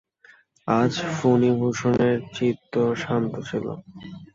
আজ ফণিভূষণের চিত্ত শান্ত ছিল।